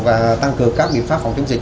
và tăng cường các biện pháp phòng chống dịch